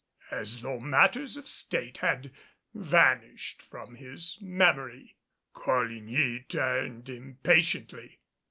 as though matters of State had vanished from his memory. Coligny turned impatiently.